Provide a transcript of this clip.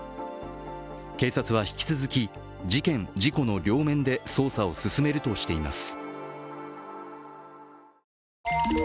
警察は引き続き、事件・事故の両面で捜査を進めるとしています。